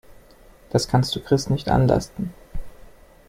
Das kannst du Chris nicht anlasten.